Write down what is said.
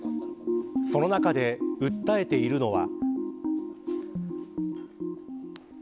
その中で訴えているのは。